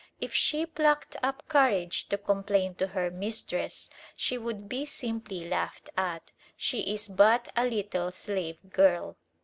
If she plucked up courage to complain to her mistress, she would be simply laughed at. She is but a little slave girl.